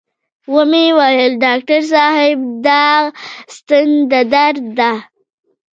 و مې ويل ډاکتر صاحب دغه ستن د درد ده.